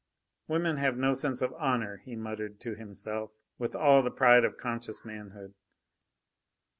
"Women have no sense of honour!" he muttered to himself, with all the pride of conscious manhood.